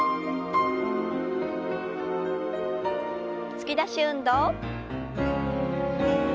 突き出し運動。